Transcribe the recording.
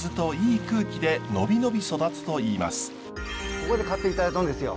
ここで飼っていただいたんですよ。